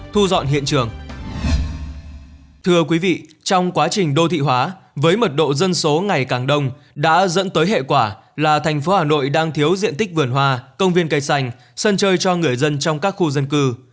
thưa quý vị trong quá trình đô thị hóa với mật độ dân số ngày càng đông đã dẫn tới hệ quả là thành phố hà nội đang thiếu diện tích vườn hoa công viên cây xanh sân chơi cho người dân trong các khu dân cư